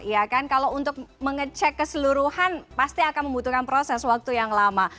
ya kan kalau untuk mengecek keseluruhan pasti akan membutuhkan proses waktu yang lama